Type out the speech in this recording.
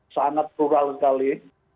sangat rural sekali